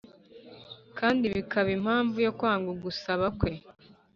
kandi bikaba impamvu yo kwanga ugusaba kwe